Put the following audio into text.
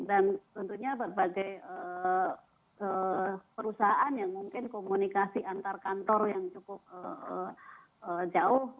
dan tentunya berbagai perusahaan yang mungkin komunikasi antar kantor yang cukup jauh